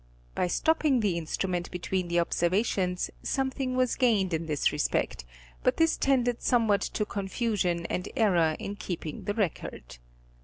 By stopping the instrument between the observations something was gained in this respect, but this tended somewhat to confusion and error in keeping the record.